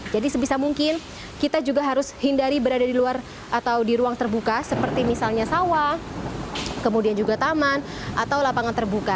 jadi sebisa mungkin kita juga harus hindari berada di luar atau di ruang terbuka seperti misalnya sawah kemudian juga taman atau lapangan terbuka